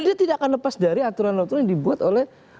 dia tidak akan lepas dari aturan aturan yang dibuat oleh